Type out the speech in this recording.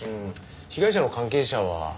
被害者の関係者は？